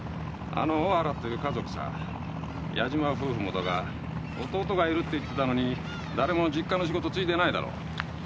あの大原っていう家族さ矢島夫婦もだが弟がいるって言ってたのに誰も実家の仕事継いでないだろう